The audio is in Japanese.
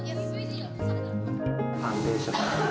ファンデーションは？